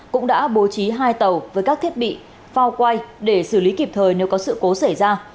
cũng đã bố trí hai tàu với các thiết bị phao quay để xử lý kịp thời nếu có sự cố xảy ra